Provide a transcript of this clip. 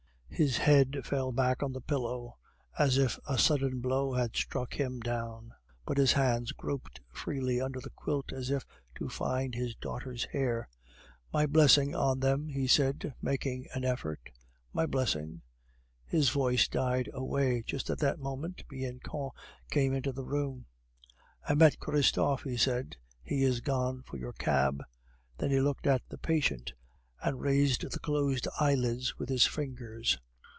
His head fell back on the pillow, as if a sudden heavy blow had struck him down, but his hands groped feebly over the quilt, as if to find his daughters' hair. "My blessing on them..." he said, making an effort, "my blessing..." His voice died away. Just at that moment Bianchon came into the room. "I met Christophe," he said; "he is gone for your cab." Then he looked at the patient, and raised the closed eyelids with his fingers.